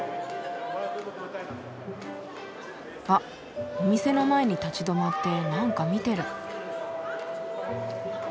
あっお店の前に立ち止まってなんか見てる。